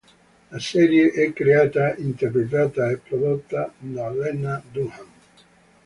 La serie è creata, interpretata e prodotta da Lena Dunham.